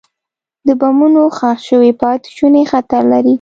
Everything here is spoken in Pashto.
د بمونو ښخ شوي پاتې شوني خطر لري.